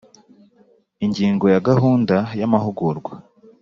Ingingo ya Gahunda y amahugurwa